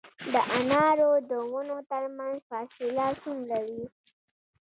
د انارو د ونو ترمنځ فاصله څومره وي؟